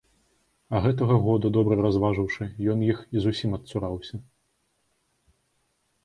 А гэтага году, добра разважыўшы, ён іх і зусім адцураўся.